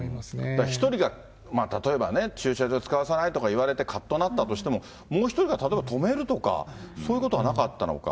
だから１人が例えばね、駐車場を使わせないとか言われてかっとなったとしても、もう１人が例えば止めるとか、そういうことはなかったのか。